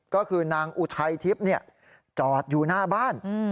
ก็คือนางอุทัยทิพย์จอดอยู่หน้าบ้าน